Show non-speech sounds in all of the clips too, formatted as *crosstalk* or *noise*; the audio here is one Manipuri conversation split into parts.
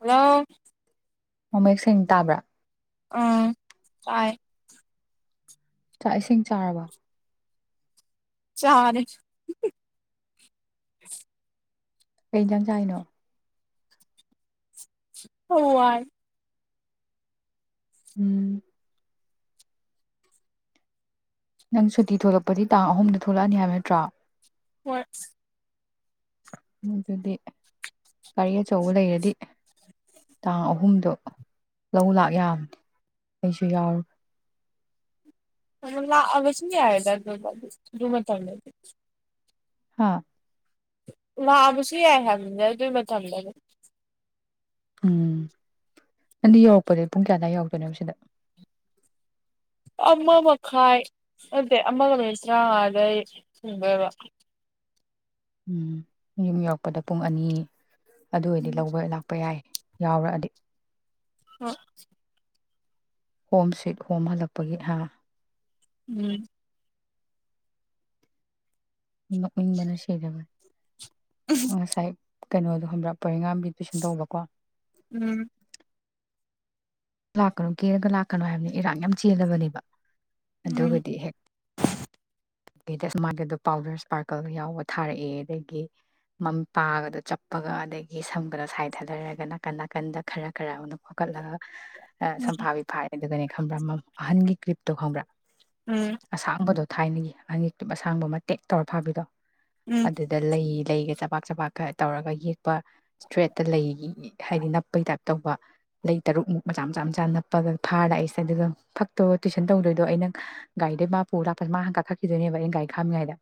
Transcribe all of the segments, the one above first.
ꯍꯜꯂꯣ ꯃꯌꯦꯛ ꯁꯦꯡꯅ ꯇꯥꯕ꯭ꯔꯥ ꯎꯝ ꯇꯥꯏ ꯆꯥꯥꯛ ꯏꯁꯤꯡ ꯆꯥꯔꯕ ꯆꯥꯔꯦ ꯀꯩ ꯌꯦꯟꯖꯥꯡ ꯆꯥꯏꯅꯣ ꯍꯋꯥꯢ ꯎꯝ ꯅꯪ ꯁꯨꯇꯤ ꯊꯣꯂꯛꯄꯗꯤ ꯇꯥꯡ ꯑꯍꯨꯝꯗ ꯊꯣꯛꯂꯛꯑꯅꯤ ꯍꯥꯏꯕ ꯅꯠꯇ꯭ꯔꯥ ꯍꯣꯏ ꯑꯗꯨꯗꯤ ꯒꯥꯔꯤ ꯑꯆꯧꯕ ꯂꯩꯔꯗꯤ ꯇꯥꯡ ꯑꯍꯨꯝꯗꯣ ꯂꯧ ꯂꯥꯛ ꯌꯥꯝꯕꯅꯤ ꯑꯩꯁꯨ ꯌꯥꯎꯔꯒꯥ *unintelligible* ꯂꯥꯛꯑꯕꯁꯨ ꯌꯥꯔꯦꯗ ꯑꯗꯨ ꯑ ꯑꯗꯨ ꯃꯇꯝꯗꯗꯤ ꯍꯥꯥ ꯂꯛ ꯑꯕꯥꯁꯨ ꯌꯥꯏ ꯍꯥꯏ ꯑꯗꯨ ꯃ ꯊꯝꯗꯗ ꯎꯝ ꯅꯪꯗꯤ ꯌꯧꯔꯛꯄꯗꯒꯤ ꯄꯨꯡ ꯀꯌꯥ ꯑꯋꯥꯏ ꯌꯧꯔꯛꯇꯣꯏꯅꯣ ꯁꯤꯗ ꯑꯃ ꯃꯈꯥꯏ ꯑꯗꯨꯗꯩ ꯑꯃꯒ ꯃꯤꯅꯤꯠ ꯇꯔꯥꯃꯉꯥꯗ ꯑꯩ ꯐꯪꯗꯣꯏꯕ ꯎꯝ ꯌꯨꯝ ꯌꯧꯔꯛꯄꯗ ꯄꯨꯡ ꯑꯅꯤ ꯑꯗꯨ ꯑꯣꯏꯗꯤ ꯎꯝ ꯂꯧꯕ ꯂꯥꯛꯄ ꯌꯥꯏ ꯌꯥꯎꯔꯛꯑꯗꯤ ꯍꯣ ꯍꯣꯝ ꯁꯤꯠ ꯍꯣꯝ ꯍꯜꯂꯛꯄꯒꯤ ꯍꯥ ꯎꯝ *unintelligible* ꯕꯅ ꯁꯤꯗꯕ ꯑꯣꯁꯥꯏ ꯀꯩꯅꯣꯗꯣ ꯈꯪꯕꯔꯥ ꯄꯔꯤꯦꯡꯒꯥꯥꯝꯒꯤ ꯇꯨꯏꯁꯟ ꯇꯧꯕꯀꯣ ꯎꯝ ꯂꯥꯛꯀꯅꯨ ꯀꯦꯔꯒ ꯂꯥꯛꯀꯅꯣ ꯍꯥꯏꯕꯅꯤ ꯏꯔꯥꯡ ꯌꯥꯝ ꯆꯦꯜꯂꯕꯅꯦꯕ ꯎꯝ ꯑꯗꯨꯒꯗꯤ ꯍꯦꯛ ꯃꯥꯒꯤꯗꯣ ꯄꯥꯎꯗꯔ ꯏꯁꯄꯥꯔꯀꯜ ꯌꯥꯎꯕ ꯊꯥꯔꯛꯑꯦ ꯑꯗꯒꯤ ꯃꯝ ꯄꯥꯒꯗꯣ ꯆꯞꯄꯒ ꯑꯗꯒꯤ ꯁꯝꯒꯗ ꯁꯥꯏ ꯊꯥꯗꯔꯒ ꯅꯥꯀꯟ ꯅꯥꯀꯟꯗ ꯈꯔ ꯈꯔ ꯑꯃ ꯈꯣꯀꯠ ꯑ ꯁꯐꯥꯕꯤ ꯐꯥꯏ ꯑꯗꯨꯒꯅꯦ ꯈꯪꯕ꯭ꯔꯥ ꯃ ꯑꯍꯟꯒꯤ ꯀ꯭ꯔꯤꯞꯇꯣ ꯈꯪꯕ꯭ꯔꯥ ꯎꯝ ꯑꯁꯥꯡꯕꯗꯣ ꯊꯥꯏꯅꯒꯤ ꯑꯅꯤꯛꯇꯨꯞ ꯑꯁꯥꯡꯕ ꯑꯃ ꯇꯦꯛ ꯇꯧꯔ ꯐꯥꯕꯤꯗꯣ ꯑꯗꯨꯗ ꯂꯩ ꯂꯩꯒ ꯆꯄꯥꯛ ꯆꯄꯥꯛꯀ ꯇꯧꯔꯒ ꯌꯦꯛꯄ ꯁꯇ꯭ꯔꯦꯠꯇ ꯂꯩꯒꯤ ꯍꯥꯏꯗꯤ ꯅꯞꯄꯒꯤ ꯇꯥꯏꯞ ꯇꯧꯕ ꯂꯩ ꯇꯔꯨꯛꯃꯨꯛ ꯃꯆꯥ ꯃꯆꯥ ꯃꯆꯥ ꯅꯞꯄꯒ ꯐꯥꯔ ꯑꯩꯁꯦ ꯑꯗꯨꯒ ꯐꯛꯇꯣ ꯇꯨꯁꯟ ꯇꯧꯗꯣꯏꯗꯣ ꯑꯩꯅ ꯒꯥꯔꯤꯗꯩ ꯃꯥ ꯄꯨ ꯂꯥꯛꯄꯁ ꯃꯥ ꯍꯥꯟꯅ ꯀꯥꯈꯠꯈꯤꯗꯣꯏꯅꯦꯕ ꯑꯩꯅ ꯒꯥꯔꯤ ꯈꯥꯝꯃꯤꯉꯩꯗ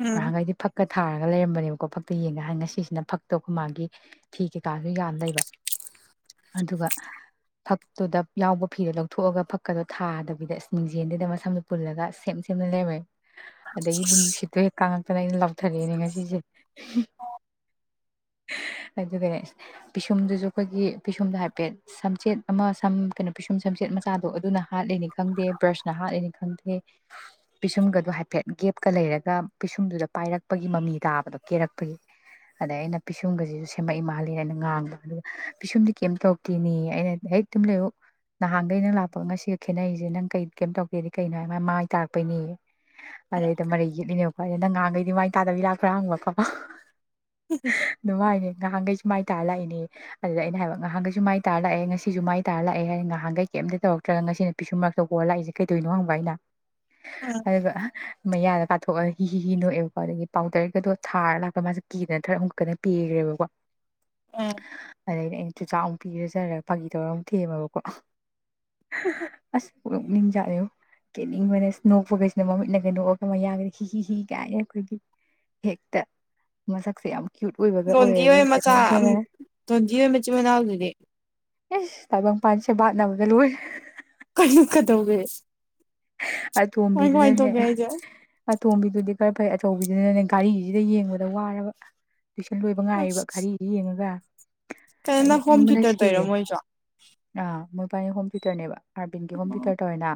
ꯎꯝ ꯅꯥꯍꯟꯈꯩꯗꯤ ꯐꯛ ꯐꯛ ꯊꯥꯔꯒ ꯂꯩꯔꯝꯕꯅꯦꯕꯀꯣ ꯐꯛꯇ ꯌꯦꯡꯒ ꯍꯥꯏꯅ ꯉꯁꯤꯁꯤꯅ ꯐꯛꯇꯕ ꯃꯥꯒꯤ ꯐꯤ ꯀꯩꯀꯥꯁꯨ ꯌꯥꯟ ꯂꯩꯕ ꯑꯗꯨꯒ ꯐꯛꯇꯨꯗ ꯌꯥꯎꯕ ꯐꯤꯗꯣ ꯂꯧꯊꯣꯛꯑꯒ ꯐꯛꯀꯗꯣ ꯊꯥꯗꯕꯤꯗ ꯑ ꯂꯤꯡꯖꯦꯜꯗꯨꯗ ꯃꯁꯝꯗꯣ ꯄꯨꯜꯂꯒ ꯁꯦꯝ ꯁꯦꯝꯅ ꯂꯩꯔꯝꯃꯦ ꯑꯗꯥꯒꯤꯗ ꯅꯨꯡꯁꯤꯠꯇꯣ ꯍꯦꯛ ꯀꯥꯡꯉꯛ ꯅ ꯑꯩꯅ ꯂꯥꯎꯊꯔꯛꯑꯦꯅꯦ ꯉꯁꯤꯁꯦ ꯑꯗꯨꯒꯅꯦ ꯄꯤꯁꯨꯝꯗꯨꯁꯨ ꯑꯩꯈꯣꯏꯒꯤ ꯄꯤꯁꯨꯝꯗ ꯍꯥꯏꯐꯦꯠ ꯁꯝꯆꯦꯠ ꯑꯃ ꯁꯝ ꯀꯩꯅꯣ ꯄꯤꯁꯨꯝ ꯁꯝꯆꯦꯠ ꯃꯆꯥꯗꯣ ꯑꯗꯨꯅ ꯍꯥꯠꯂꯤꯅꯤ ꯈꯪꯗꯦ ꯕ꯭ꯔꯁꯅ ꯍꯥꯠꯂꯤꯅꯤ ꯈꯪꯗꯦ ꯄꯤꯁꯨꯝꯒꯗꯣ ꯍꯥꯏꯐꯦꯠ ꯒꯦꯞꯀ ꯂꯩꯔꯒ ꯄꯤꯁꯨꯝꯗꯨꯗ ꯄꯥꯏꯔꯛꯄꯒꯤ ꯃꯃꯤ ꯇꯥꯕꯗꯣ ꯀꯦꯔꯛꯄꯒꯤ ꯑꯗꯩ ꯑꯩꯅ ꯄꯤꯁꯨꯝꯒꯁꯤꯁꯨ ꯁꯦꯝꯃꯛꯏ ꯃꯥꯜꯂꯤꯅ ꯑꯩꯅ ꯉꯥꯡꯕ ꯑꯗꯨꯒ ꯄꯤꯁꯨꯝꯗꯤ ꯀꯩꯝ ꯇꯧꯔꯛ ꯇꯤꯅꯤ ꯑꯩꯅ ꯍꯦꯠ ꯇꯨꯃꯤꯝ ꯂꯩꯌꯨ ꯅꯍꯥꯟꯒꯩ ꯅꯪ ꯂꯥꯛꯄꯒ ꯉꯁꯤꯒ ꯈꯦꯠꯅꯩꯁꯦ ꯅꯪ ꯀꯩ ꯀꯩꯝꯇꯧ ꯑꯗꯩꯗꯤ ꯀꯩꯅꯣ ꯍꯥꯏ ꯃꯥꯏ ꯇꯥꯔꯛꯄꯩꯅꯦ ꯑꯗꯩꯗ ꯃꯔꯩ ꯌꯦꯠꯂꯤꯅꯦ ꯑꯩꯅ ꯅꯪ ꯉꯥꯡꯈꯩꯗꯤ ꯃꯥꯏ ꯇꯥꯗꯕꯤ ꯂꯥꯛꯄ꯭ꯔꯥ ꯍꯪꯕꯀꯣ *unintelligible* ꯃꯥꯏ ꯇꯥ ꯂꯥꯛꯏꯅꯦ ꯑꯗꯨꯗ ꯑꯩꯅ ꯍꯥꯏꯕ ꯉꯍꯥꯟꯒꯩ ꯁꯤꯁꯨ ꯃꯥꯏ ꯇꯥꯔ ꯂꯥꯛꯑꯦ ꯉꯁꯤꯁꯨ ꯃꯥꯏ ꯇꯥꯔ ꯂꯥꯛꯑꯦ ꯍꯥꯏꯅ ꯅꯍꯥꯟꯒꯩ ꯀꯩꯝꯇ ꯇꯧꯔꯛꯇ꯭ꯔꯒ ꯉꯁꯤꯅ ꯄꯤꯁꯨꯝ ꯃꯔꯛꯇ ꯍꯣꯔ ꯂꯥꯛꯏꯁ ꯀꯩꯗꯧꯅꯣ ꯍꯪꯕ ꯑꯩꯅ ꯎꯝ ꯑꯗꯨꯒ ꯃꯌꯥꯗ ꯀꯥꯊꯣꯛꯑꯒ ꯍꯤ ꯍꯤ ꯅꯣꯛꯑꯦꯕꯀꯣ ꯑꯗꯒꯤ ꯄꯥꯎꯗꯔꯒꯗꯣ ꯊꯥꯔ ꯂꯥꯛꯄꯒ ꯃꯥꯁꯦ ꯀꯤꯗꯅ ꯈꯔ ꯑꯃꯨꯛꯛꯇꯅ ꯄꯤꯈ꯭ꯔꯦꯕꯀꯣ ꯎꯝ ꯑꯗꯇ ꯆꯥꯎ ꯄꯤꯔꯖꯔꯒ ꯐꯥꯒꯤ ꯇꯧꯔ ꯑꯃꯨꯛ ꯊꯦꯝꯃꯕꯀꯣ ꯑꯁ ꯅꯣꯛꯅꯤꯡꯖꯥꯠꯅꯤꯉꯣ ꯀꯦꯅꯤꯡꯕꯅ ꯅꯣꯛꯄꯈꯩꯁꯤꯅ ꯃꯃꯤꯠꯅꯒꯩ ꯅꯣꯛꯑꯒ ꯃꯌꯥꯒꯗ ꯍꯤ ꯍꯤ ꯀꯥꯏꯅ ꯑꯩꯈꯣꯏꯒꯤ ꯍꯦꯛꯇ ꯃꯁꯛꯁꯦ ꯌꯥꯝ ꯀ꯭ꯌꯨꯠ ꯑꯣꯏꯕꯒ ꯗꯣꯟꯗꯤ ꯑꯣꯏꯔꯒ ꯑꯣꯏ ꯍꯦꯛꯇ ꯃꯆꯥ ꯅꯣꯛꯅꯗꯅ ꯗꯣꯟꯗꯤꯒꯤ ꯃꯆꯤꯟ ꯃꯅꯥꯎꯗꯨꯗꯤ ꯑꯦꯁ ꯇꯥꯏꯕꯪ ꯄꯁꯦ ꯅ ꯒꯦꯜ ꯑꯣꯏꯦ ꯀꯩꯅ ꯀꯗꯧꯋꯦ ꯑ ꯇꯣꯝꯕꯤꯗꯨꯅꯅꯦ ꯍꯥꯏꯁꯦ ꯑ ꯇꯣꯝꯕꯤꯗꯨꯗꯤ ꯈꯔ ꯐꯩ ꯑꯆꯧꯕꯤꯗꯨꯅꯅꯦ ꯘꯔꯤꯒꯤꯁꯤꯗ ꯌꯦꯡꯕꯗ ꯋꯥꯔꯕ ꯇꯨꯏꯁꯟ ꯂꯣꯏꯕ ꯉꯥꯏꯌꯦꯕ ꯈꯔꯤ ꯌꯦꯡꯉꯒ ꯀꯩꯅꫭ ꯑꯩ ꯅꯪ ꯍꯣꯝ ꯅꯣꯛꯅꯤꯡꯕꯅ ꯇꯨꯇꯔ ꯇꯧꯔꯤꯔꯣ ꯃꯣꯏꯁꯨ ꯏꯄꯥꯅꯤ ꯍꯣꯝꯇꯨꯇꯔꯅꯦꯕ ꯑꯥꯔꯕꯤꯟꯒꯤ ꯍꯣꯝꯇꯨꯇꯔ ꯇꯧꯔꯤꯅ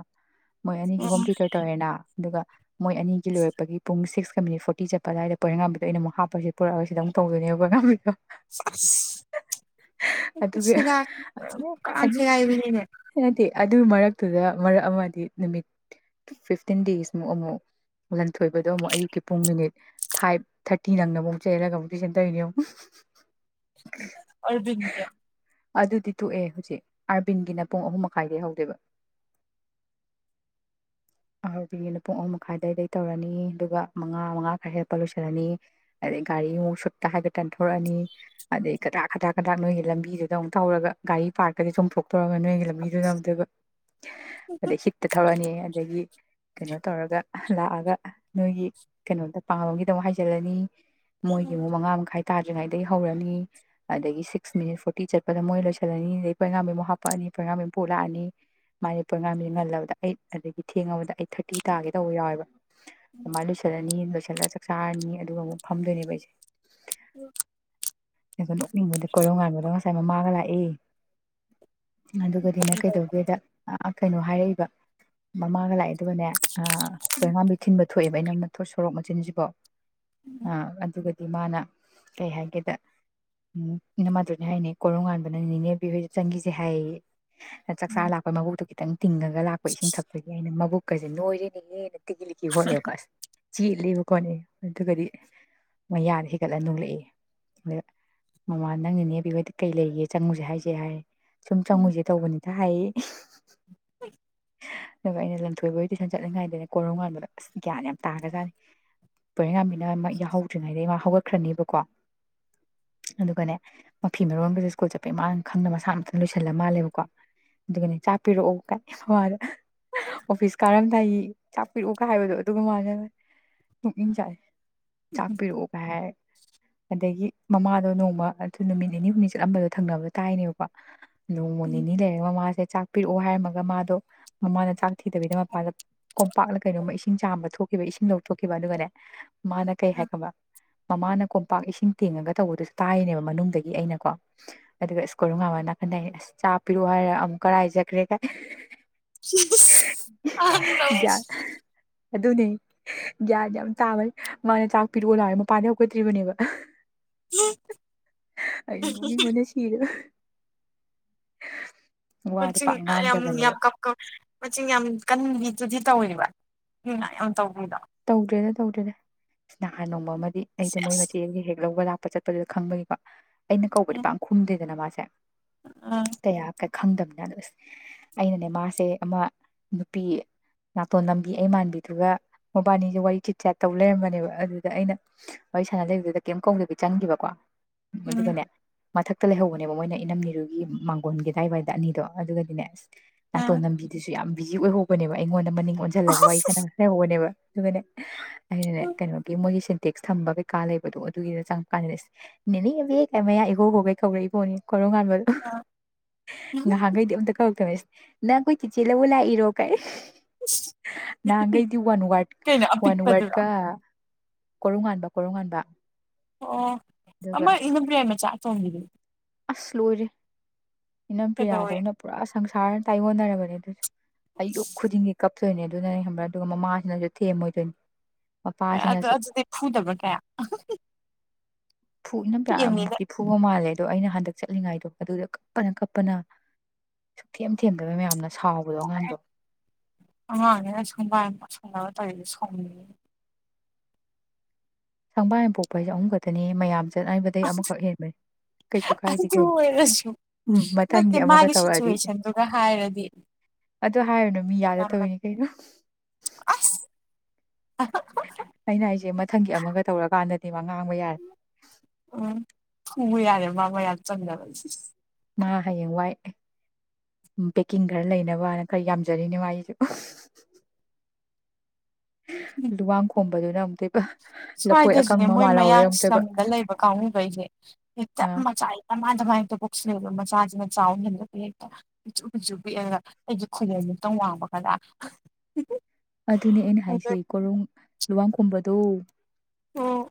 ꯃꯣꯏ ꯑꯅꯤꯒꯤ ꯍꯣꯝꯇꯨꯇꯔ ꯇꯧꯔꯦꯅꯥ ꯑꯗꯨꯒ ꯃꯣꯏ ꯑꯅꯤꯒꯤ ꯂꯣꯏꯔꯛꯄꯒꯤ ꯄꯨꯡ ꯁꯤꯛꯁ ꯐꯣꯔꯇꯤ ꯆꯠ ꯑꯗꯨꯋꯥꯏꯗ ꯄꯣꯏꯔꯩꯉꯝꯕꯤꯗ ꯑꯩꯅ ꯑꯃꯨꯛ ꯍꯞꯄꯒꯥ ꯁꯤꯗꯥ ꯄꯨꯔꯛꯑꯒꯥ ꯁꯤꯗ ꯑꯃꯨꯛ ꯇꯧꯗꯣꯏꯅꯦꯕ ꯉꯥꯝꯕꯩꯗꯣ ꯑꯗꯨꯒꯤ ꯒ ꯀꯥꯟꯁꯤꯒꯅꯤꯅꯦ ꯅꯠꯇꯦ ꯑꯗꯨ ꯃꯔꯛꯇꯨꯗ ꯃꯔꯛ ꯑꯃꯗꯤ ꯅꯨꯃꯤꯠ ꯐꯤꯐꯇꯤꯟ ꯗꯦꯖꯃꯨꯛ ꯑꯃꯨꯛ ꯂꯟꯊꯣꯏꯕꯗꯣ ꯑꯃꯨꯛ ꯑꯌꯨꯛꯀꯤ ꯄꯨꯡ ꯃꯤꯅꯤꯠ ꯐꯥꯏꯚ ꯊꯥꯔꯇꯤ ꯅꯪꯅ ꯑꯃꯨꯛ ꯆꯦꯜꯂꯒ ꯑꯃꯨꯛ ꯇꯨꯏꯁꯟ ꯇꯧꯔꯤꯅꯦ ꯑꯃꯨꯛ ꯑꯔꯕꯤꯟꯒꯤ ꯑꯗꯨꯗꯤ ꯇꯣꯛꯑꯦ ꯍꯧꯖꯤꯛ ꯑꯥꯔꯕꯤꯟꯒꯤꯅ ꯄꯨꯡ ꯑꯍꯨꯝ ꯃꯈꯥꯏꯗꯒꯤ ꯍꯧꯗꫭꯏꯕ ꯑꯔꯕꯤꯟꯒꯤꯅ ꯄꯨꯡ ꯑꯍꯨꯝ ꯃꯈꯥꯏꯗꯏꯗ ꯇꯧꯔꯅꯤ ꯑꯗꯨꯒ ꯃꯉꯥ ꯃꯉꯥ ꯈꯔ ꯍꯦꯜꯞꯄ ꯂꯣꯏꯁꯤꯜꯂꯅꯤ ꯑꯗꯩ ꯒꯥꯔꯤꯃꯨꯛ ꯁꯨꯠꯇ ꯍꯥꯏꯒ ꯇꯟꯊꯣꯔꯛꯑꯅꯤ ꯑꯗꯩ ꯀꯗꯥꯥꯛ ꯀꯗꯥꯛ ꯀꯗꯥꯛ ꯅꯣꯏꯒꯤ ꯂꯝꯕꯤꯗꯨꯗ ꯑꯃꯨꯛ ꯊꯧꯔꯒ ꯒꯥꯔꯤ ꯄꯥꯔꯛꯇꯗꯤ ꯆꯨꯝꯊꯣꯛ ꯅꯣꯏꯒꯤ ꯂꯝꯕꯤꯗꯨ ꯑꯃꯨꯛꯇꯑꫭꯏꯕ ꯑꯗꯩ ꯊꯣꯛꯛꯑꯅꯤ ꯑꯗꯒꯤ ꯀꯩꯅꯣ ꯇꯧꯔꯒ ꯂꯥꯛꯑꯒ ꯅꯣꯏꯒꯤ ꯀꯩꯅꯣꯝꯗ ꯄꯥꯕꯥꯒꯤꯗꫭ ꯍꯥꯏꯖꯤꯜꯂꯅꯤ ꯃꯣꯏꯒꯤ ꯃꯨꯛ ꯃꯉꯥ ꯃꯈꯥꯏ ꯇꯥꯗ꯭ꯔꯤꯉꯩꯗꯒꯤ ꯍꯧꯔꯅꯤ ꯑꯗꯒꯤ ꯁꯤꯛꯁ ꯃꯤꯅꯤꯠ ꯐꯣꯔꯇꯤ ꯆꯠꯄꯗ ꯃꯣꯏ ꯂꯣꯏꯁꯤꯜꯂꯅꯤ ꯑꯗꯒꯤꯩ ꯄꯣꯒꯥ꯭ꯔꯥꯝꯦꯝꯨꯛ ꯍꯥꯄꯛꯅꯤ ꯄꯣꯔꯤ꯭ꯔꯝ ꯃꯦꯝꯝ ꯄꯨꯣꯛ ꯂꯥꯛꯑꯅꯤ ꯃꯥꯒꯤ ꯄꯣꯒꯥꯝꯁꯦ ꯉꯜꯂꯕꯗ ꯑꯩꯠ ꯑꯗꯒꯤ ꯊꯦꯡꯕꯗ ꯑꯩꯠ ꯊꯥꯔꯇꯤ ꯇꯥꯒꯦ ꯇꯧꯕ ꯌꯥꯎꯋꯦꯕ ꯑꯗꯨꯃꯥꯏꯅ ꯂꫭꯏꯁꯤꯜꯂꯥꯅꯤ ꯄꯩꯁꯜꯂ ꯆꯥꯛ ꯆꯥꯔꯅꯤ ꯑꯗꯨꯒ ꯑꯃꯨꯛ ꯐꯝꯗꯣꯏꯅꯦꯕ ꯑꯩꯁꯦ ꯎꯝ ꯑꯗꯣ ꯅꯣꯛꯅꯤꯡꯕꯗ ꯀꯣꯏꯔꯣ ꯉꯥꯟꯕꯗꯣ ꯉꯁꯥꯏ ꯃꯃꯥꯒ ꯂꯥꯛꯏ ꯑꯗꯨꯒꯗꯤꯅ ꯀꯩꯗꯧꯒꯦꯗ ꯀꯩꯅꯣ ꯍꯥꯏꯔꯛꯏꯕ ꯃꯃꯥꯒ ꯂꯥꯛꯑꯦ ꯑꯗꯨꯒꯅꯦ ꯄꯣꯏꯉꯥꯝꯕꯤ ꯊꯤꯟꯕ ꯊꯣꯛꯑꯦꯕ ꯑꯩꯅ ꯃꯊ ꯁꯣꯔꯣꯛ ꯃꯆꯤꯟꯁꯤꯕꯣ ꯑ ꯑꯗꯨꯒꯗꯤ ꯃꯥꯅ ꯀꯩ ꯍꯥꯏꯒꯦꯗ ꯎ ꯏ ꯃꯥꯗꯨꯅꯦ ꯍꯥꯏꯅꯤ ꯀꯣꯔꯣꯉꯥꯟꯕꯅ ꯅꯅꯦꯕꯤꯍꯣꯏ ꯆꯪꯒꯤꯁꯦ ꯍꯥꯏꯌꯦ ꯆꯥꯛ ꯆꯥ ꯂꯥꯛꯣꯏ ꯃꯕꯨ ꯇꯨꯈꯤꯇꯪ ꯇꯤꯪꯒ ꯑꯩꯈꯣꯏ ꯏꯁꯤꯡ ꯊꯛꯄꯒꯤ ꯑꯩꯅ ꯃꯕꯨꯛ ꯀꯖ ꯅ ꯑꯣꯏꯔꯤꯅꯦꯌꯦ ꯍꯣꯀꯁꯤ ꯆꯦꯠꯂꯦꯕ ꯈꯣꯠꯅꯤ ꯑꯗꯨꯒꯗꯤ ꯃꯌꯥꯗ ꯍꯤꯒꯠꯂ ꯣꯂꯛꯏꯦ ꯑ ꯃꯃꯥ ꯅꯪꯅꯅꯦꯕꯤꯈꯣꯏꯗꯤ ꯀꯩ ꯂꯩꯒꯦ ꯆꯪꯉꯨꯁꯦ ꯍꯥꯏꯁꯦ ꯍꯥꯏ ꯁꯨꯝ ꯆꯪꯉꯨꯁꯦ ꯇꯧꯕꯅꯤꯗ ꯍꯥꯏꯌꯦ ꯎꯏ ꯑꯗꯨꯒ ꯑꯩꯅ ꯂꯝꯊꯣꯏꯕꯒꯤ ꯇꯨꯏꯁꯟ ꯆꯠꯂꯤꯉꯥꯏꯗ ꯀꯣꯔꯧꯉꯥꯟꯕꯗꯣ ꯑꯁ ꯒ꯭ꯌꯥꯟ ꯌꯥꯝ ꯇꯥꯒꯖꯥꯠꯅꯤ ꯄꯨꯔꯩꯉꯥꯟꯕꯤꯅ ꯃ ꯌꯥꯎꯍꯧꯗ꯭ꯔꯤꯉꯩꯗꯒꯤꯩ ꯃꯥ ꯍꯧꯒꯠ ꯈ꯭ꯔꯅꯦꯕꯀꯣ ꯑꯗꯨꯒꯅꯦ ꯃꯐꯤ ꯃꯔꯣꯟꯒꯁ ꯁ꯭ꯀꯨꯜ ꯆꯠꯄꯦ ꯃꯥꯡꯅ ꯈꯪꯅ ꯃꯁꯥꯅꯇꯪ ꯂꯣꯏꯁꯤꯜꯂ ꯃꯥꯜꯂꯦꯕꯀꯣ ꯑꯗꯨꯒꯅꯦ ꯆꯥꯛ ꯄꯤꯔꯛꯑꯣ ꯀ ꯍꯣꯏꯗ ꯑꯣꯐꯤꯁ ꯀꯥꯔꯝꯗꯥꯏ ꯆꯥꯛꯄꯤꯔꯛꯎꯒ ꯍꯥꯏꯕꯗꯣ ꯑꯗꯨꯒ ꯃꯥꯖꯨꯡ ꯆꯥꯏ ꯆꯥꯛꯄꯤꯔꯛꯎꯒ ꯍꯥꯏ ꯑꯗꯒꯤ ꯃꯃꯥꯗꯣ ꯅꯣꯡꯃ ꯑꯗꯨ ꯅꯨꯃꯤꯠ ꯅꯤꯅꯤ ꯍꯨꯝꯅꯤ ꯆꯠꯂꯝꯕꯗꯣ ꯊꯪꯅꯕꯣ ꯇꯥꯏꯅꯦꯕꯀꯣ ꯅꯣꯡꯃ ꯅꯤꯅꯤ ꯂꯩꯔ ꯃꯃꯥꯁꯦ ꯆꯥꯛ ꯄꯤꯔꯛꯑꯣ ꯍꯥꯏꯔꯃ ꯃꯥꯗꯣ ꯃꯃꯥꯅ ꯆꯥꯛ ꯊꯤꯗꯕꯤꯗ ꯃꯄꯥꯗ ꯀꯣꯝꯄꯥꯛꯂꯥ ꯀꯩꯅꯣꯝꯃ ꯏꯁꯤꯡ ꯆꯥꯝꯕ ꯊꯣꯛꯈꯤꯕ ꯏꯁꯤꯡ ꯂꯧꯊꯣꯛꯈꯤꯕ ꯑꯗꯨꯒꯅꯦ ꯃꯥꯅ ꯀꯩ ꯍꯥꯏ ꯈꯪꯕꯔꯥ ꯃꯃꯥꯅ ꯀꯣꯝꯄꯥꯛ ꯏꯁꯤꯡ ꯇꯦꯡꯉꯒ ꯇꯧꯕꯗꯨꯁꯨ ꯇꯥꯏꯅꯦꯕ ꯃꯅꯨꯡꯗꯒꯤ ꯑꯩꯅꯀꯣ ꯑꯗꯨꯒ ꯑꯁ ꯀꯣꯔꯧꯉꯟꯕꯅꯥ ꯅꯥꯀꯟꯗꯩ ꯑꯁ ꯆꯥ ꯄꯤꯔꯛꯑꯣ ꯍꯥꯏꯔꯒ ꯑꯃꯨꯛ ꯀꯔꯥꯏ ꯆꯈ꯭ꯔꯦꯒ ꯒ꯭ꯌꯥꯟ ꯑ ꯑꯗꯨꯅꯦ ꯒ꯭ꯌꯥꯟ ꯌꯥꯝ ꯆꯥꯕꯅꯦ ꯃꯥꯅ ꯆꯥꯛ ꯄꯤꯔꯛꯑꯣꯅ ꯍꯥꯏ ꯃꯄꯥꯟꯗ ꯍꯧꯒꯠꯇ꯭ꯔꯤꯕꯅꯦꯕ ꯑꯩ ꯅꯣꯛꯅꯤꯡꯕꯅ ꯁꯤꯔꯦꯗꯥ ꯋ꯭ꯗꯤ ꯃꯆꯤꯡ ꯄꯥꯛ ꯉꯥꯡ ꯌꯥꯝ ꯌꯥꯝ ꯀꯞ ꯀꯆ ꯃꯆꯤꯡ ꯌꯥꯝ ꯀꯟꯕꯤ ꯑꯗꯨꯗꯤ ꯇꯧꯔꯤꯕ ꯑꯗꯨꯅ ꯌꯥꯝ ꯇꯧꯕꯗ ꯇꯧꯗ꯭ꯔꯦꯗ ꯇꯧꯗ꯭ꯔꯦꯗ ꯅꯍꯥꯟ ꯅꯣꯡꯕ ꯑꯃꯗꯤ ꯑꯩꯗꯣ ꯃꯣꯏ ꯁꯦꯁ ꯃꯆꯦꯁ ꯍꯦꯛ ꯂꯧꯕꯒꯗ ꯆꯠꯄ ꯆꯠꯄꯗꯨꯗ ꯈꯪꯕꯒꯤꯀꯣ ꯑꯩꯅ ꯀꯧꯕꯗꯤ ꯎꯝ ꯄꯥꯛ ꯈꯨꯝꯗꯦꯗꯅ ꯃꯥꯁꯦ ꯎꯝ ꯆ ꯇꯌꯥ ꯀ ꯈꯪꯗꯅꯤꯅ ꯑꯗꯨ ꯑꯩꯅꯅꯦ ꯃꯥꯁꯦ ꯑꯃ ꯅꯨꯄꯤ ꯅꯥꯇꯣꯟ ꯅꯝꯕꯤ ꯑꯩ ꯃꯥꯟꯕꯤꯗꯨꯒ ꯃꯣꯕꯥꯅꯤꯁꯦ ꯋꯥꯔꯤ ꯆꯤꯠ ꯆꯦꯠ ꯇꯧ ꯂꯩꯔꯝꯕꯅꯦꯕ ꯑꯗꯨꯗ ꯑꯩꯅ ꯋꯥꯔꯤ ꯁꯥꯟꯅ ꯂꯩꯕꯗꯨꯗ ꯀꯩꯝ ꯀꯧꯗꯕꯤ ꯆꯪꯈꯤꯕꯀꯣ ꯃꯗꯨꯅꯥꯅꯦ ꯃꯊꯛꯇ ꯂꯩꯍꯧꯕꯅꯦꯕ ꯃꯣꯏꯅ ꯏꯅꯝ ꯅꯤꯔꯨꯒꯤ ꯃꯥꯡꯒꯣꯟꯒꯤꯗꯥꯏꯋꯥꯏꯗ ꯑꯅꯤꯗꯣ ꯑꯗꯨꯒꯗꯤꯅꯦ ꯑꯁ ꯅꯥꯇꯣꯟ ꯎꯝ ꯅꯝꯕꯤꯗꯨꯁꯨ ꯌꯥꯝ ꯕꯤꯖꯤ ꯑꯣꯏꯍꯧꯕꯅꯦꯕ ꯑꯩꯉꯣꯟꯗ ꯃꯅꯤꯡ ꯑꯣꯟꯁꯤꯜꯂꯒ ꯋꯥꯔꯤ ꯁꯥꯟꯅꯕꯍꯧꯕꯅꯦꯕ ꯑꯗꯨꯕꯅꯦ ꯑꯩꯅꯅꯦ ꯀꯩꯅꯣꯒꯤ ꯃꯣꯏꯒꯤ ꯆ ꯇꯦꯛꯁ ꯊꯝꯕ ꯀꯩꯀꯥ ꯂꯩꯕꯗꯣ ꯑꯗꯨꯒꯤꯗ ꯆꯪꯉꯛꯀꯥꯟꯗ ꯅꯦꯅꯦꯕꯦ ꯀ ꯃꯌꯥ ꯏꯈꯧ ꯈꯣꯒꯩ ꯀꯧꯔꯛꯏꯕꯣꯅꯦ ꯀꯔꯣ ꯉꯥꯟꯕꯗꯣ ꯉꯍꯥꯛꯈꯩꯗꯤ ꯑꯝꯇ ꯀꯧꯔꯛꯇꯅꯦ ꯅ ꯑꯥꯀꯣꯏ ꯆꯤꯆꯤ ꯂꯕꯨꯣ ꯂꯥꯏ ꯏꯔꯣ ꯀꯥꯏ ꯅꯥꯍꯟꯈꯩꯗ ꯋꯥꯟ ꯋꯔꯗ ꯀꯩꯅ ꯑꯄꯤꯛꯄꯗꯨꯔꯥ ꯀꯣꯔꯨꯝ ꯉꯥꯟꯕ ꯀꯣꯔꯨꯝ ꯉꯥꯟꯕ ꯑꯣ ꯑꯗꯨꯒ ꯑꯃ ꯏꯅꯝ ꯄꯔꯤꯌꯥ ꯃꯆꯥ *unintelligible* ꯑꯁ ꯂꯣꯏꯔꯦ ꯏꯅꯝ ꯀꯩꯗꯧꯔꯦ ꯄ꯭ꯔꯤꯌꯥꯗꯧꯅ ꯄꯨꯔꯥ ꯁꯪꯁꯥꯥ ꯇꯥꯌꯣꯟꯅꯔꯕꯅꯦ ꯑꯗꯨꯗꯤ ꯑꯌꯨꯛ ꯈꯣꯖꯅꯤꯡꯒꯤ ꯀꯞ ꯆꯠꯇꯣꯏꯅꯦ ꯑꯗꯨꯅꯅꯦ ꯈꯪꯕ꯭ꯔꯥ ꯑꯗꯨꯒ ꯃꯃꯥꯁꯤꯅꯁꯨ ꯊꯦꯝꯃꯣꯏꯗꯣꯏꯅꯦ ꯑꯗꯨ ꯑꯗꯨꯗꯤ ꯐꯨꯗꯕ ꯀꯌꯥ ꯐꯨꯅ ꯢꯅꯝ ꯄꯔ꯭ꯤꯌꯥ ꯄꯤꯛꯑꯝꯅꯤꯅ ꯃꯨꯛꯇꯤ ꯐꯨꯕ ꯃꯥꯜꯂꯦ ꯑꯗꯣ ꯑꯩꯅ ꯍꯟꯗꯛ ꯆꯠꯂꯤꯉꯥꯏꯗꯣ ꯑꯗꯨꯗ ꯀꯞꯄꯅ ꯀꯞꯄꯅ ꯁꯨꯛꯊꯦꯝ ꯊꯦꯝꯗꯕ ꯃꯌꯥꯝꯅ ꯁꯥꯎꯕꯗꯣ ꯑꯉꯥꯡꯗꯣ ꯑꯉꯥꯡꯅꯦ ꯀꯥꯏꯅ *unintelligible* ꯕꯥꯔꯣ ꯇꯥꯈꯤꯗꯣ ꯁꯥꯎꯅꯤꯡꯉꯦ꯫ ꯁꯪꯕꯥꯏ ꯄꯣꯛꯄ ꯍꯥꯏꯁꯦ ꯑꯍꯨꯝ ꯈꯛꯇꯅꯤ ꯃꯌꯥꯝ *unintelligible* ꯑꯃꯈꯛ ꯍꯦꯟꯕꯩ ꯀꯩꯁꯨ ꯀꯥꯏꯗꯦ ꯑꯗꯨ ꯀꯩꯅꯣ ꯑꯣꯏꯔꯁꯨ ꯎꯝ ꯅꯠꯇꯦ ꯃꯊꯪꯒꯤ ꯑꯃꯒ ꯃꯥꯒꯤ ꯇꯧꯔꯛꯑꯗꯤ ꯁꯤꯆꯨꯋꯦꯁꯟꯗꯨꯒ ꯍꯥꯏꯔꯗꯤ ꯑꯗꯨ ꯍꯥꯏꯔꯨꯅꯨ ꯃꯤ ꯌꯥꯗ ꯌꯥꯝꯅ ꯇꯧꯔꯤꯅꯤ ꯀꯩꯅꯣ ꯑꯁ ꯑꯩꯅ ꯑꯩꯁꯦ ꯃꯊꯪꯒꯤ ꯑꯃꯒ ꯇꯧꯔꯀꯥꯟꯗꯗꯤ ꯋꯥ ꯉꯥꯡꯕ ꯌꯥꯏ ꯎꯝ ꯐꯨꯕ ꯌꯥꯔꯦ ꯃꯥꯡꯕ ꯌꯥꯔꯦ *unintelligible* ꯃꯥ ꯍꯌꯦꯡ ꯋꯥꯏ ꯄꯦꯛꯀꯤꯡ ꯈꯔ ꯂꯩꯅꯕꯅ ꯈꯔ ꯌꯥꯝꯖꯔꯤꯅꯦ ꯃꯥꯒꯤꯁꯨ ꯂꯨꯋꯥꯡꯈꯣꯝ ꯗꯨꯅ ꯑꯃꯨꯛ ꯇꯣꯏꯅ ꯁ꯭ꯋꯥꯏꯗꯁꯨꯅꯦ ꯃꯣꯏ ꯃꯌꯥꯡ ꯁꯂ꯭ꯥꯝ ꯂꯝꯗ ꯂꯩꯕ ꯀꯥꯡꯕꯨꯈꯩꯁꯦ ꯍꯦꯛꯇꯞ ꯑꯥ ꯃꯆꯥ ꯗꯃꯥꯟ ꯗꯃꯥꯏꯅ ꯄꯣꯛꯁꯤꯟ ꯃꯆꯥꯁꯤꯅ ꯆꯥꯎ ꯉꯝꯗꯕꯩ ꯍꯦꯛꯇ ꯄꯤꯆꯁꯨ ꯄꯤꯆꯁꯨ ꯄꯤꯛꯑꯒ ꯑꯩꯒꯤ ꯈꯨꯕꯣꯝ ꯃꯨꯛꯇꯪ ꯋꯥꯡꯕ ꯒꯅꯦ ꯑꯗꯨꯅꯦ ꯑꯩꯅ ꯍꯥꯏꯖꯩ ꯀꯣ *unintelligible* ꯂꯨꯋꯥꯡ ꯈꯣꯝꯕꯗꯣ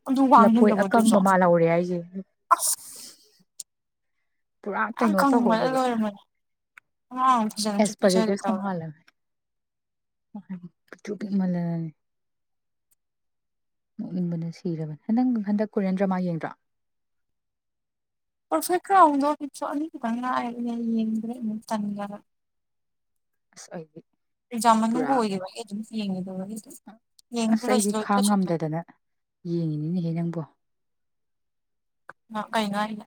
ꯑꯗꯨ ꯋꯥꯡ ꯂꯐꯣꯏ ꯍꯦꯟꯗ꯭ꯔꯕꯣ ꯑꯗꯨꯁꯨ ꯑꯀꯪꯕ ꯃꯥꯜꯍꯧꯔꯦ ꯍꯥꯏꯁꯦ ꯄꯨꯔꯥ ꯌꯥꯝ ꯀꯩꯅꯣ ꯀꯪꯕꯗ ꯇꯧꯍꯧꯔꯦꯕ ꯂꯣꯏꯔꯕꯅꯦ ꯑꯉꯥꯡ ꯐꯖꯅꯁꯨ ꯑꯦꯁ ꯄꯤꯖꯔꯦ ꯄꯔꯤꯒꯤꯁ ꯇꯧꯔꯦ ꯀꯃꯂ *unintelligible* ꯅꯣꯛꯅꯤꯡꯕꯅ ꯁꯤꯔꯕꯅꯤ ꯍꯟꯗꯛ ꯍꯟꯗꯛ ꯀꯨꯔꯦꯟꯗ꯭ꯔ ꯃꯥ ꯌꯦꯡꯗ꯭ꯔꯥ ꯄꯔꯐꯦꯛ ꯀꯥꯎꯗꯣ ꯏꯄꯤꯁꯣꯠ ꯑꯅꯤ ꯈꯤꯇꯪ ꯉꯥꯏꯔꯕꯅꯦ ꯌꯦꯡꯗ꯭ꯔꯦ ꯑꯃꯨꯛ ꯇꯟꯗꯅ ꯑꯁ ꯑꯩꯗꯤ ꯑꯦꯛꯖꯦꯝ ꯃꯅꯨꯡ ꯄꯨꯔꯥ ꯑꯣꯏꯒꯤ *unintelligible* ꯌꯦꯡꯉꯨꯗꯣꯏꯔꯣ ꯑꯁ ꯑꯩꯗꯤ ꯈꯥ ꯉꯝꯗꯗꯅ ꯌꯦꯡꯉꯤꯅꯤꯅꯦꯍꯦ ꯅꯪꯕꯨ ꯀꯩꯅꯣ ꯍꯥꯏꯁꯦ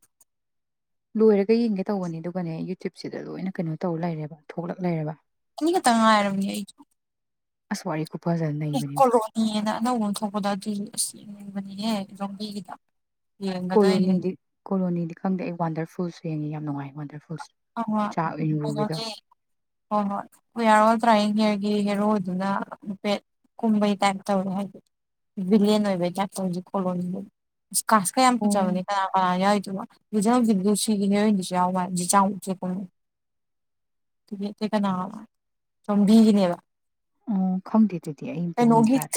ꯂꯣꯏꯔꯒ ꯌꯦꯡꯒꯦ ꯇꯧꯕꯅꯦ ꯑꯗꯨꯒꯅꯦ ꯌꯨꯇ꯭ꯌꯨꯨꯞꯕꯁꯤꯗ ꯂꯣꯏꯅ ꯀꯩꯅꯣ ꯇꯧꯔ ꯂꯩꯔꯦꯕ ꯊꯣꯛꯂꯛ ꯂꯩꯦꯔꯕ ꯑꯅꯤ ꯈꯥꯇ ꯉꯥꯏꯔꯕꯅꯦ ꯑꯩ ꯑꯁ *unintelligible* ꯅꯩꯕꯅꯦꯃꯤ ꯀꯣꯂꯣꯅꯤꯅ ꯑꯅꯧꯕꯅ ꯊꯣꯛꯄꯗꯣ ꯑꯗꯨꯁꯨ ꯑꯁꯤ *unintelligible* ꯔꯝꯕꯒꯤꯗ ꯀꯣꯂꯣꯅꯤꯗꯤ ꯀꯣꯂꯣꯅꯤꯗꯤ ꯈꯪꯗꯦ ꯑꯩ ꯋꯥꯟꯗꯔꯐꯨꯜꯁ ꯐꯦꯡꯉꯤ ꯌꯥꯝ ꯅꯨꯡꯉꯥꯏ ꯃꯣꯟꯗ ꯍꯣ ꯍꯣ ꯇ꯭ꯔꯥꯏꯌꯤꯟ ꯍꯤꯌꯔ ꯍꯦꯔꯣꯗꯨꯅꯐꯦꯠ ꯀꯨꯝꯕꯩ ꯇꯥꯏꯞ ꯇꯧꯔꯦ ꯍꯥꯏꯗꯤ ꯚꯤꯂꯟ ꯑꯣꯏꯕꯒꯤ ꯇꯥꯏꯞ ꯇꯧꯁꯤ ꯀꯣꯂꯣꯅꯤꯗꯨ ꯀꯥꯁ ꯀ ꯌꯥꯝ ꯐ ꯆꯥꯎꯕꯅꯤ ꯑꯣ ꯀ ꯑꯗꯨꯒ ꯍꯧꯖꯤꯛ ꯍꯧꯖꯤꯛ ꯁꯤꯒꯤꯅꯦꯅꯤꯁꯨ ꯌꯥꯎ ꯃꯥ ꯍꯥꯏꯗꯤ ꯆꯥꯎ ꯀꯅꯥ ꯆꯝꯕꯤꯒꯤꯅꯦꯕ *unintelligible* ꯑꯣ ꯈꯪꯗꯦ ꯑꯗꯨꯗꯤ ꯑꯩꯝꯇ ꯌꯦꯡ ꯇꯥꯔꯦ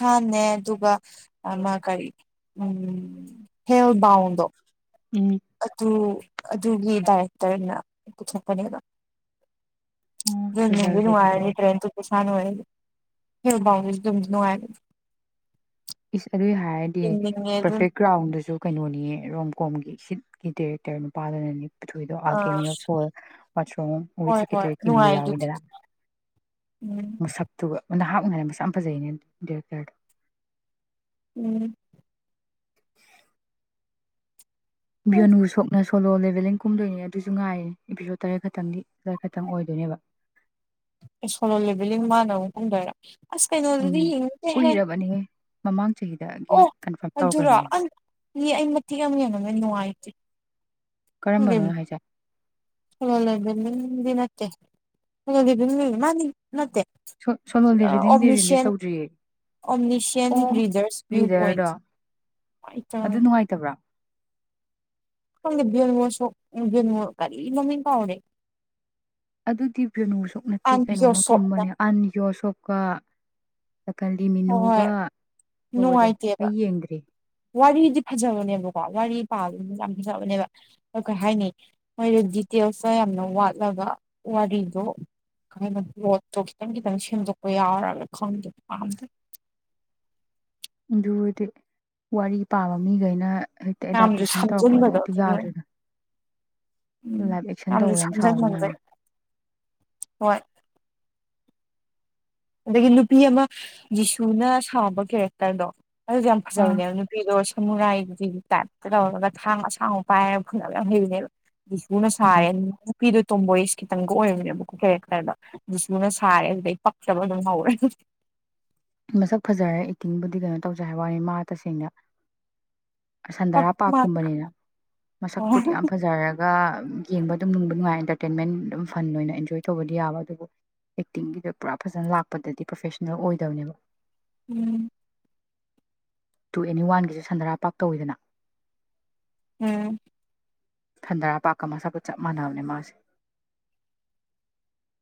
ꯈꯥꯟꯅꯦ ꯑꯗꯨꯒ ꯃꯥ ꯀꯔꯤ ꯎ ꯍꯦꯜ ꯕꯥꯎꯟꯗꯣ ꯎꯝ ꯑꯗꯨ ꯑꯗꯨꯒꯤ ꯗꯥꯏꯔꯦꯛꯇꯔꯅ ꯄꯨꯊꯣꯛꯄꯅꯦꯕ ꯑꯣ ꯗꯨ ꯅꯨꯡꯗꯤ ꯊ꯭ꯔꯤꯂꯔꯒꯤ ꯑꯗꯨꯗꯨꯅꯦ ꯅꯨꯡꯉꯥꯏꯔꯅꯤ ꯇ꯭ꯔꯦꯟ ꯇꯨ ꯁꯥꯟ ꯑꯣꯏꯌꯦ ꯍꯦꯜꯕꯥꯎ ꯑꯗꯨꯝ ꯅꯨꯡꯉꯥꯏꯔꯦ ꯏꯁ ꯑꯗꯨꯏ ꯍꯥꯏꯔꯗꯤ ꯑꯗꯨꯝ ꯄꯔꯐꯦꯛ ꯔꯥꯎꯟꯗꯁꯨ ꯀꯩꯅꯣꯅꯤꯌꯦ ꯔꯣꯝ ꯀꯣꯝꯒꯤ ꯁꯤꯠ ꯒꯤ ꯗꯤꯔꯦꯛꯇꯅ ꯅꯨꯄꯥꯗꯅꯅꯤ ꯄꯨꯊꯣꯛꯏꯗꯣ ꯑꯥ ꯑꯜꯀꯦꯃꯤ ꯑꯣꯞ ꯁꯣꯝ ꯋꯥꯠꯁ ꯔꯣꯡ ꯋꯤꯠ ꯍꯣꯏ ꯍꯣꯏ ꯁꯦꯀꯦꯇꯔꯤ ꯀꯤꯝꯒ ꯅꯨꯡꯉꯥꯏ ꯑꯗꯨꯗꯤ ꯌꯥꯎꯗꯕ ꯎꯝ ꯃꯁꯛꯇꯨꯒ ꯑꯩꯅ ꯍꯥꯏꯕ ꯃꯁꯛ ꯌꯥꯝ ꯐꯖꯩꯅ ꯗꯤꯔꯦꯛꯇꯔꯗꯣ ꯎꯝ *unintelligible* ꯁꯣꯂꯣ ꯂꯦꯚꯦꯂꯡ ꯀꯨꯝꯗꯣꯏꯅꯦ ꯑꯗꯨꯁꯨ ꯉꯥꯏꯅꯦ ꯑꯦꯄꯤꯁꯣꯠ ꯇꯔꯦꯠ ꯈꯛꯇꯪꯗꯤ ꯇꯔꯦꯠ ꯈꯛꯇꯪ ꯑꯣꯏꯗꯣꯏꯅꯦꯕ ꯑꯦ ꯁꯂꯣ ꯂꯦꯕꯦꯜꯅ ꯃꯥꯥꯟꯅꯃꯨꯛ ꯀꯨꯝꯗꯣꯏꯔ ꯑꯁ ꯎꯝ ꯀꯩꯅꯣꯗꯨꯗꯤ ꯌꯦꯡꯉꯗꯦꯍꯦꯟ ꯀꯨꯏꯔꯕꯅꯦꯍꯦ ꯃꯃꯥꯡ ꯆꯍꯤꯗꯒꯤ ꯑꯣ ꯀꯟꯐꯥꯔꯝ ꯑꯗꯨꯔꯣ ꯇꯧꯈ꯭ꯔꯕꯅꯦꯕ ꯑꯩ ꯃꯇꯦꯛ ꯑꯃ ꯌꯦꯡꯉꯝꯗ ꯅꯨꯡꯉꯥꯏꯇꯦ ꯀꯔꯝꯕꯅꯣ ꯍꯥꯏꯁꯦ ꯁꯜ ꯗꯤ ꯅꯠꯇꯦ ꯑꯗꯨ ꯃꯥꯅꯤ ꯅꯠꯇꯦ ꯁꯣꯂꯣ ꯂꯤꯚꯤꯗꯤꯡꯗꯤ ꯔꯤꯂꯤꯁ ꯑꯣꯝꯅꯤꯁꯤꯌꯟ ꯇꯧꯗ꯭ꯔꯤꯌꯦ ꯑꯣꯝꯅꯤꯁꯤꯌꯟ ꯑꯣ ꯔꯤꯗꯔꯁ ꯚ꯭ꯌꯨ ꯄꯣꯏꯟ ꯔꯤꯗꯔꯗ ꯑꯩ ꯑꯗꯨ ꯅꯨꯡꯉꯥꯏꯇꯕ꯭ꯔꯥ ꯁꯨꯣ ꯀꯔꯤꯅꯃꯤ ꯀꯥꯎꯦ ꯑꯗꯨꯗꯤ ꯕꯦꯅꯨ ꯁꯛ ꯅꯠꯇꯦ ꯀꯩꯅꯣꯅ ꯌꯣꯁꯣꯞꯅ ꯀꯨꯝꯕꯅꯦ ꯑꯟ ꯌꯣꯁꯣꯞꯀ ꯀꯟꯂꯤ ꯍꯣꯏ ꯍꯣꯏ ꯃꯤꯅꯨꯒ ꯇꯧꯕꯗꯣ ꯅꯨꯡꯉꯥꯏꯇꯦꯕ ꯑꯩ ꯌꯦꯡꯗ꯭ꯔꯦ ꯋꯥꯔꯤꯗꯤ ꯐꯖꯕꯅꯦꯕꯀꯣ ꯋꯥꯔꯤ ꯄꯥꯕꯅ ꯌꯥꯝ ꯐꯖꯕꯅꯦꯕ ꯑꯗ ꯀꯩ ꯍꯥꯏꯅꯤ ꯃꯣꯏꯗ ꯗꯤꯇꯦꯜꯁꯇ ꯌꯥꯝꯅ ꯋꯥꯠꯂꯕ ꯋꯥꯔꯤꯗꯣ ꯀꯅꯣ ꯔꯣꯠꯇꯣ ꯈꯤꯇꯪ ꯈꯤꯇꯪ ꯁꯦꯝꯗꯣꯛꯄ ꯌꯥꯎꯔꯒ ꯈꯪꯗ ꯄꯥꯝꯇ ꯑꯗꯨꯗꯤ ꯋꯥꯔꯤ ꯄꯥꯕ ꯃꯤꯈꯩꯅ ꯍꯦꯛꯇ ꯃꯌꯥꯝꯁꯨ ꯑꯦꯗꯥꯞꯇꯦꯁꯟ ꯇꯧꯔꯛꯄꯗꯣ ꯁꯝꯖꯤꯟꯕꯗꯣ ꯍꯦꯛꯇ ꯑꯗꯨ ꯌꯥꯗꯣꯏꯗꯥ ꯎꯝ ꯌꯥꯝꯁꯨ ꯁꯥꯟꯖꯪ ꯁꯥꯎꯔꯤ ꯃꯟꯕꯩ ꯌꯥꯝꯅ ꯍꯣꯏ ꯑꯗꯒꯤ ꯅꯨꯄꯤ ꯑꯃ ꯖꯤꯁꯨꯅ ꯁꯥꯕ ꯀꯦꯔꯦꯛꯇꯔꯗꯣ ꯑꯗꯨ ꯌꯥꯝ ꯑꯥ ꯐꯖꯕꯅꯦꯕ ꯅꯨꯄꯤꯗꯣ ꯁꯃꯨꯔꯥꯏꯒꯤ ꯇꯥꯏꯞꯇ ꯂꯧꯔꯒ ꯊꯥꯡ ꯑꯁꯥꯡꯕ ꯄꯥꯏꯔꯒ ꯐꯨꯜꯅꯕ ꯌꯥꯝ ꯍꯩꯅꯦꯕ ꯁꯨꯅ ꯎꯝ ꯁꯥꯏꯔꯦ ꯅꯨꯄꯤꯗꯣ ꯇꯣꯝꯕꯣꯏ ꯈꯤꯇꯪꯒ ꯑꯣꯏꯔꯝꯅꯦꯕꯀꯣ ꯀꯩ ꯈꯔꯗ ꯑꯗꯨꯁꯨꯨꯅ ꯁꯥꯔꯦ ꯑꯗꯨꯗꯩ ꯇꯕ ꯑꯗꯨꯝ ꯍꯧꯔꯦ ꯃꯁꯛ ꯐꯖꯔꯦ ꯑꯦꯛꯇꯤꯡꯕꯨꯗꯤ ꯀꯩꯅꯣ ꯇꯧꯖꯩ ꯍꯥꯏꯕ ꯋꯥꯅꯤ ꯃꯥ ꯇꯁꯦꯡꯅ ꯁꯟꯗꯔꯥ ꯄꯥꯔꯀꯨꯝꯕꯅꯤꯅ ꯃꯁꯛꯄꯨꯗꯤ ꯌꯥꯝ ꯐꯖꯔꯒ ꯌꯦꯡꯕ ꯑꯗꯨꯝ ꯕ ꯅꯨꯡꯉꯥꯏ ꯑꯦꯟꯇꯔꯇꯦꯟꯃꯦꯟ ꯑꯗꯨꯝ ꯐꯟ ꯑꯣꯏꯅ ꯑꯦꯟꯖꯣꯏ ꯇꯧꯕꯗꯤ ꯌꯥꯕ ꯑꯗꯨꯕꯨ ꯑꯦꯛꯇꯤꯡꯒꯤꯗ ꯄꯨꯔꯥ ꯐꯖꯅ ꯂꯥꯛꯄꯗꯗꯤ ꯄ꯭ꯔꯣꯐꯦꯁꯅꯦꯜ ꯑꯣꯏꯗꯕꯅꯦꯕ ꯎꯝ ꯇꯨ ꯑꯦꯅꯤ ꯋꯥꯟꯒꯤꯁꯨ ꯁꯟꯗꯔꯥ ꯄꯥꯛ ꯇꯧꯋꯤꯗꯅ ꯎꯝ ꯊꯟꯗꯔꯥ ꯄꯥꯛꯀ ꯃꯁꯥꯄ ꯆꯞ ꯃꯥꯟꯅꯕꯅꯦ ꯃꯥꯁꯦ